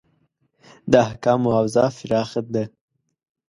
د احکامو حوزه پراخه ده.